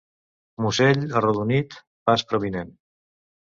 Musell arrodonit, pas prominent.